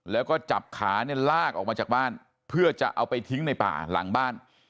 แล้วก็จับขาเนี่ยลากออกมาจากบ้านเพื่อจะเอาไปทิ้งในป่าหลังบ้าน